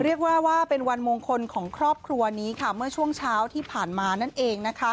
เรียกว่าว่าเป็นวันมงคลของครอบครัวนี้ค่ะเมื่อช่วงเช้าที่ผ่านมานั่นเอง